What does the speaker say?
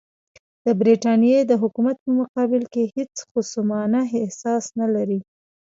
د برټانیې د حکومت په مقابل کې هېڅ خصمانه احساس نه لري.